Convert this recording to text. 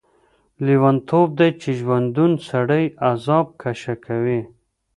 لیونتوب دی چې ژوندی سړی عذاب کشه کوي.